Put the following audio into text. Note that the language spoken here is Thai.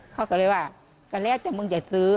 เขาก็เลยว่าก็แล้วแต่มึงจะซื้อ